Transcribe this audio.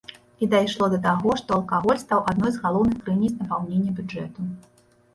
І дайшло да таго, што алкаголь стаў адной з галоўных крыніц напаўнення бюджэту.